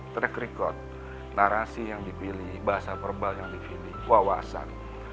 track record narasi yang dipilih bahasa verbal yang dipilih wawasan